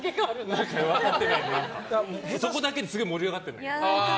そこだけですごい盛り上がってるんだけど。